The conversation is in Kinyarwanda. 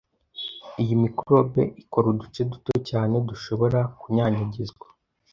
Iyi microbe ikora uduce duto cyane dushobora kunyanyagizwa